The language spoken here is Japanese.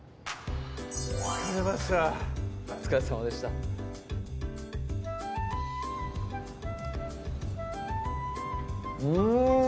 疲れましたお疲れさまでしたうん！